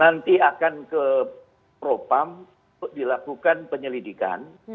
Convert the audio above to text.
nanti akan ke propam untuk dilakukan penyelidikan